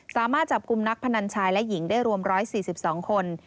สามารถจับกลุ่มนักพนันชายและหญิงได้รวม๑๔๒คน